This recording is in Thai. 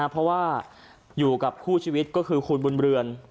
เพราะว่าอยู่กับคู่ชีวิตก็คือคุณบุญเรือน